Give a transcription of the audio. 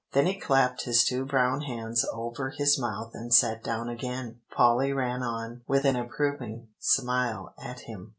Then he clapped his two brown hands over his mouth and sat down again. Polly ran on, with an approving smile at him.